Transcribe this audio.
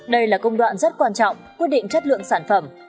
đây là công đoạn rất quan trọng quyết định chất lượng sản phẩm